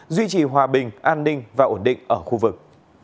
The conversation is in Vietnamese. duy trì hòa bình an ninh và ổn định ở khu vực